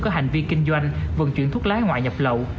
có hành vi kinh doanh vận chuyển thuốc láo hoài nhập lộ